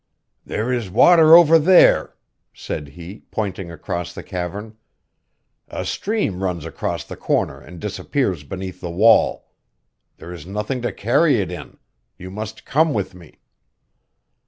"There is water over there," said he, pointing across the cavern. "A stream runs across the corner and disappears beneath the wall. There is nothing to carry it in. You must come with me."